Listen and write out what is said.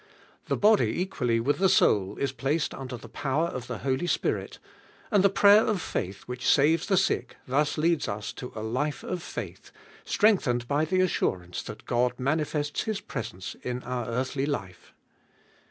The body equal ly with ihe wuul iw placed under I lie pow er of the Holy Spirit, ami the prayer of faith) which saves the siek, thus leads us 10 a life of faith, strengthened by the as surance that God manifests His presence in our earthly life.